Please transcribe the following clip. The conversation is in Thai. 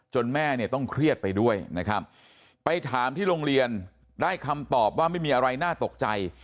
แม่เนี่ยต้องเครียดไปด้วยนะครับไปถามที่โรงเรียนได้คำตอบว่าไม่มีอะไรน่าตกใจ